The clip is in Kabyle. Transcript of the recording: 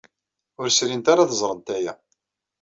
Ur srint ara ad ẓrent aya.